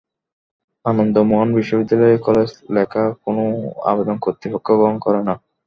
আনন্দ মোহন বিশ্ববিদ্যালয় কলেজ লেখা কোনো আবেদন কর্তৃপক্ষ গ্রহণ করে না।